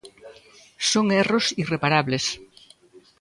Son erros irreparables.